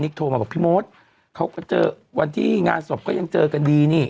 โทรมาบอกพี่มดเขาก็เจอวันที่งานศพก็ยังเจอกันดีนี่